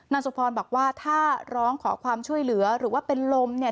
สุพรบอกว่าถ้าร้องขอความช่วยเหลือหรือว่าเป็นลมเนี่ย